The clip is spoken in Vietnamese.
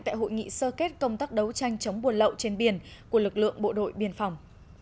tại hội nghị sơ kết công tác đấu tranh chống buôn lậu trên biển của lực lượng bộ đội biên phòng